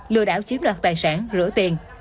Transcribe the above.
lừa đảo chiếm đoạt tài sản rửa tiền